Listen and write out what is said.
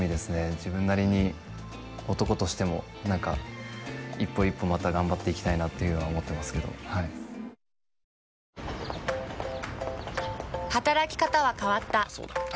自分なりに男としても何か一歩一歩また頑張っていきたいなっていうのは思ってますけど働き方は変わった。